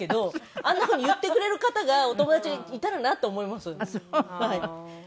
あんなふうに言ってくれる方がお友達にいたらなと思います。